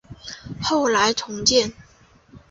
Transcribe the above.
后来重建。